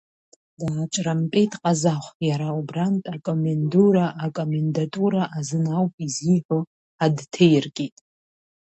Дааҿрамтәеит Ҟазахә, иара убарнтә акомендура акомендатура азын ауп изиҳәо ҳадҭеиркит.